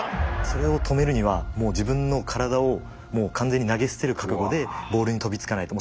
それを止めるにはもう自分の体をもう完全に投げ捨てる覚悟でボールに飛びつかないと。